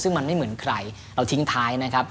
ซึ่งมันไม่เหมือนใครเราทิ้งท้ายนะครับ